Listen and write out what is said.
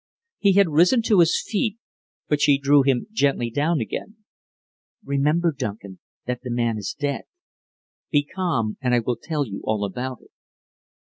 He had risen to his feet, but she drew him gently down again. "Remember, Duncan, that the man is dead! Be calm, and I will tell you all about it."